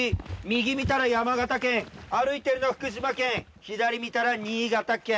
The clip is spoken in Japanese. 右見たら山形県歩いてるのは福島県左見たら新潟県。